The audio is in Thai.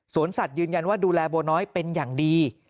สัตว์ยืนยันว่าดูแลบัวน้อยเป็นอย่างดี